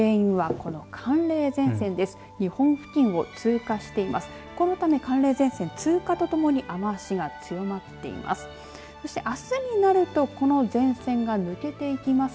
このため寒冷前線、通過とともに雨足が強まっています。